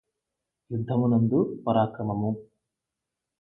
యుద్ధము నందు పరాక్రమము